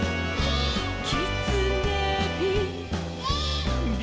「きつねび」「」